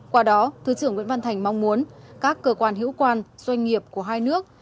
qua đó thứ trưởng nguyễn văn thành mong muốn các cơ quan hữu quan doanh nghiệp của hai nước